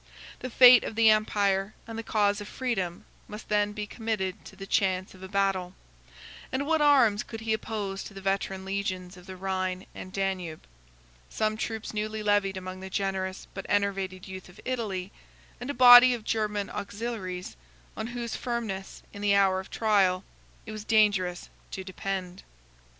The fate of the empire and the cause of freedom must then be committed to the chance of a battle; and what arms could he oppose to the veteran legions of the Rhine and Danube? Some troops newly levied among the generous but enervated youth of Italy; and a body of German auxiliaries, on whose firmness, in the hour of trial, it was dangerous to depend.